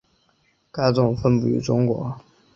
该种分布于中国。